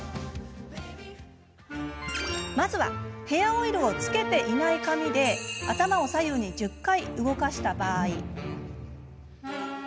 まずは、ヘアオイルをつけていない髪で、頭を左右に１０回、動かした場合。